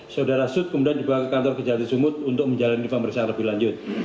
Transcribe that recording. saudara sut kemudian dibawa ke kantor kejati sumut untuk menjalani pemeriksaan lebih lanjut